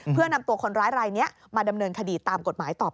เพื่อนำตัวคนร้ายรายนี้มาดำเนินคดีตามกฎหมายต่อไป